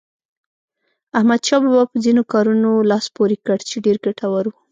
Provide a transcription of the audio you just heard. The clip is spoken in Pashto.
احمدشاه بابا په ځینو کارونو لاس پورې کړ چې ډېر ګټور وو.